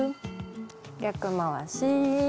逆回し。